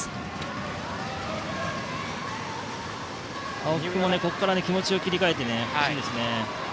青木君は、ここから気持ちを切り替えてほしいですね。